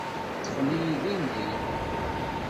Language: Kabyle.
Ṭṭfen-iyi din din.